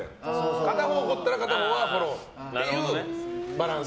片方怒ったら片方はフォローというバランス。